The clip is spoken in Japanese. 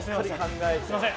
すみません！